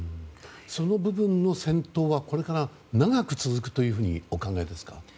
その部分の戦闘はこれから長く続くとお考えですか？